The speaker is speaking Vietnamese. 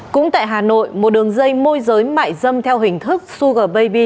cũng tại hà nội một đường dây môi giới mại dâm theo hình thức sugar baby